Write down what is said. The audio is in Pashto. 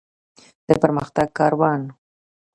د پرمختګ کاروان.